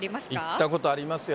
行ったことありますよ。